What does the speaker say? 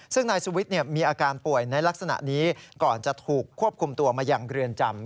ซึ่งนายสุวิทย์มีอาการป่วยในลักษณะนี้ก่อนจะถูกควบคุมตัวมายังเรือนจำ